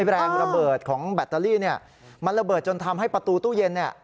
แรงระเบิดของแบตเตอรี่เนี่ยมันระเบิดจนทำให้ประตูตู้เย็นเนี่ย